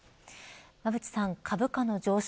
馬渕さん、株価の上昇